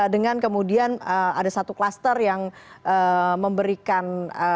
dengan kemudian ada satu kluster yang memberikan